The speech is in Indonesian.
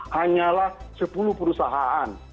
hanyalah sepuluh perusahaan